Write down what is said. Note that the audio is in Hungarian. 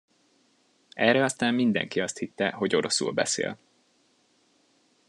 Erre aztán mindenki azt hitte, hogy oroszul beszél.